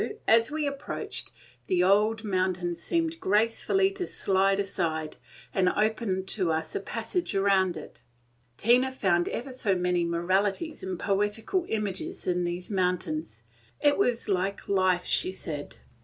as we approached, the old mountain seemed gracefully to slide aside, and open to us a passage round it. Tina found ever so many moralities and poetical images in these mountains. It was like life, she said.